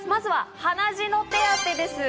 まずは鼻血の手当てです。